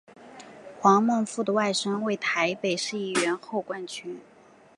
黄孟复的外甥为台北市议员侯冠群。